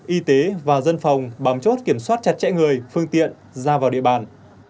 y tế và dân phòng bằng chốt kiểm soát chặt chẽ người phương tiện ra vào địa bàn